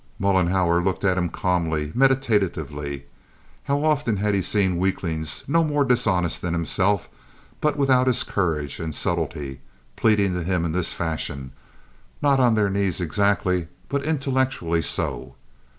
Mollenhauer looked at him calmly, meditatively. How often had he seen weaklings no more dishonest than himself, but without his courage and subtlety, pleading to him in this fashion, not on their knees exactly, but intellectually so!